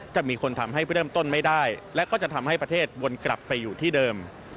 จะมีคนทำให้เริ่มต้นไม่ได้และก็จะทำให้ประเทศวนกลับไปอยู่ที่เดิม